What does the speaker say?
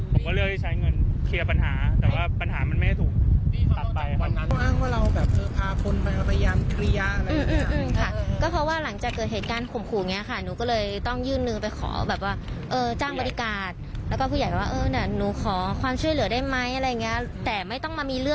ผมก็เลือกที่ใช้เงินเคลียร์ปัญหาแต่ว่าปัญหามันไม่ได้ถูกตัดไปวันนั้น